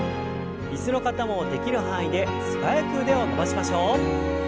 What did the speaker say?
椅子の方もできる範囲で素早く腕を伸ばしましょう。